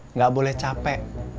nggak boleh capek